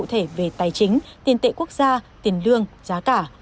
cụ thể về tài chính tiền tệ quốc gia tiền lương giá cả